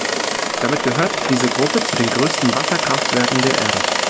Damit gehört diese Gruppe zu den größten Wasserkraftwerken der Erde.